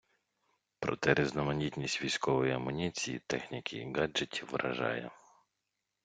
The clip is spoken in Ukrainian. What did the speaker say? Проте різноманітність військової амуніції, техніки і гаджетів вражає.